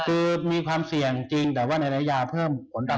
แต่ก็คงจะบรรยายาวหน่า